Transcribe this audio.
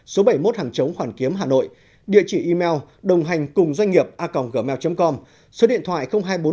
số bảy mươi một hàng chống hoàn kiếm hà nội địa chỉ email đồnghanhcungdoanhnghiệp a gmail com số điện thoại hai trăm bốn mươi ba hai trăm sáu mươi sáu chín trăm linh ba